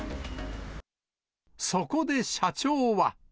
そこで社長は。